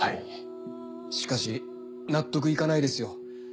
しかし納得いかないですよ。